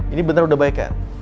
ini bener udah baik kan